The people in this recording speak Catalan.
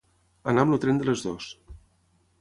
Anar amb el tren de les dues.